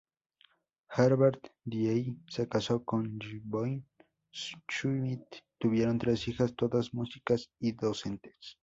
Herbert Diehl se casó con Yvonne Schmitt, tuvieron tres hijas, todas músicas y docentes.